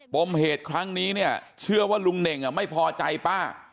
ปมเหตุครั้งนี้เนี่ยเชื่อว่าลุงเน่งไม่พอใจป้า